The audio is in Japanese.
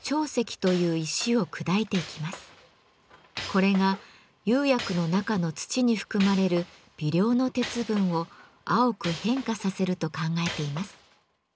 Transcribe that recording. これが釉薬の中の土に含まれる微量の鉄分を青く変化させると考えています。